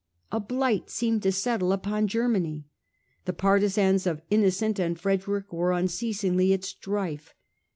A blight seemed to settle upon Germany. The partisans of Innocent and Frederick were unceasingly at strife.